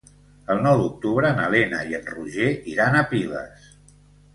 El nou d'octubre na Lena i en Roger iran a Piles.